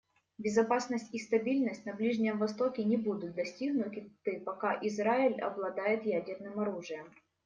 Безопасность и стабильность на Ближнем Востоке не будут достигнуты, пока Израиль обладает ядерным оружием.